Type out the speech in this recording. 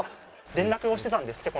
連絡をしてたんですって